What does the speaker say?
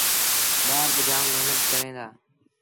ٻآر با جآم مهنت ڪريݩ دآ۔